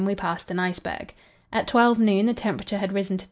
we passed an iceberg. At 12 noon the temperature had risen to 33.